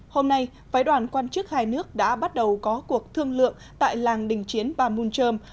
hôm nay vái đoàn quan chức hai nước đã bắt đầu có cuộc thương lượng tại làng đình chiến và môn trơm